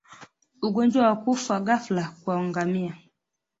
Ugonjwa wa kufa ghafla kwa ngamia